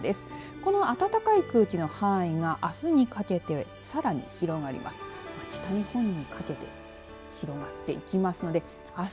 この暖かい空気の範囲があすにかけてさらに広がります。